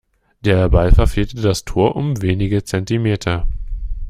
Der Ball verfehlte das Tor um wenige Zentimeter.